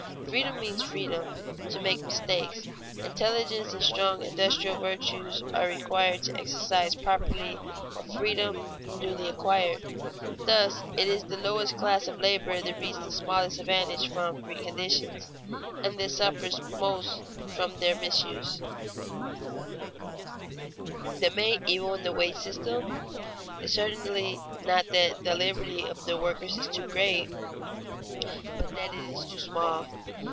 Freedom means freedom to make mistakes. Intelligence and strong industrial virtues are required to exercise properly a freedom newly acquired. Thus it is the lowest class of labor that reaps the smallest advantage from free conditions, and that suffers most from their misuse. [Sidenote: Limits to the worker's liberty] The main evil in the wage system is certainly not that the liberty of the worker is too great, but that it is too small.